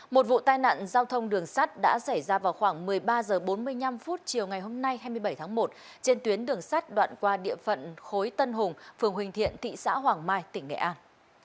một vụ tai nạn giao thông đường sắt đã xảy ra vào khoảng một mươi ba h bốn mươi năm chiều ngày hôm nay hai mươi bảy tháng một trên tuyến đường sắt đoạn qua địa phận khối tân hùng phường huỳnh thiện thị xã hoàng mai tỉnh nghệ an